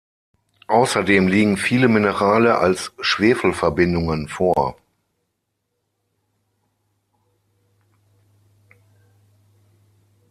Außerdem liegen viele Minerale als Schwefelverbindungen vor.